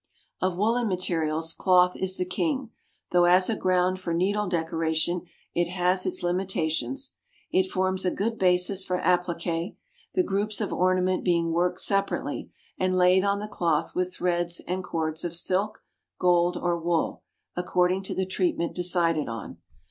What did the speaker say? Of woollen materials, cloth is the king; though as a ground for needle decoration it has its limitations. It forms a good basis for appliqué, the groups of ornament being worked separately, and laid on the cloth with threads and cords of silk, gold, or wool, according to the treatment decided on.